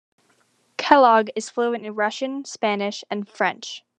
Kellogg is fluent in Russian, Spanish, and French.